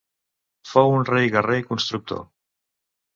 Fou un rei guerrer i constructor.